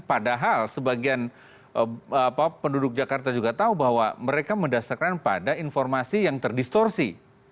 padahal sebagian penduduk jakarta juga tahu bahwa mereka mendasarkan pada informasi yang terdistorsi